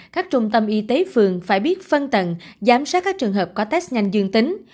các trung tâm y tế phường phải biết phân tầng giám sát các trường hợp có test nhanh dương tính